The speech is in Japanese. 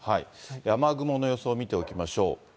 雨雲を予想を見ていきましょう。